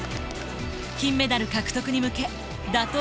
金メダル獲得に向け打倒